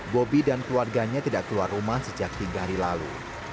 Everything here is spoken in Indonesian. bobi dan keluarganya tidak keluar rumah sejak tiga hari lalu